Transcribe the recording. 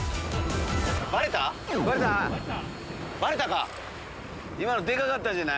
バレたか。